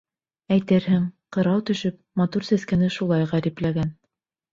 Әйтерһең, ҡырау төшөп, матур сәскәне шулай ғәрипләгән.